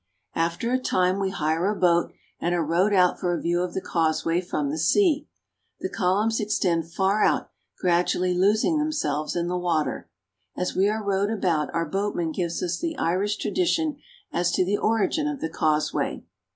After a time we hire a boat and are rowed out for a view of the Causeway from the sea. The columns extend far out, gradually losing themselves in the water. As we are rowed about our boatman gives us the Irish tradition as to the origin of the Causeway.